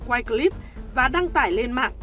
quay clip và đăng tải lên mạng